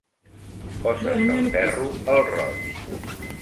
Poses el ferro al roig.